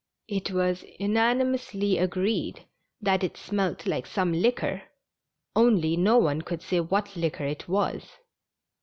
It was unanimously agreed that it smelt like some liquor, only no one could say what liquor it was.